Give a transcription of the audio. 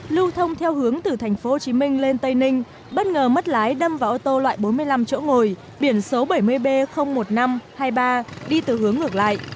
lưu thông theo hướng từ tp hcm lên tây ninh bất ngờ mất lái đâm vào ô tô loại bốn mươi năm chỗ ngồi biển số bảy mươi b một nghìn năm trăm hai mươi ba đi từ hướng ngược lại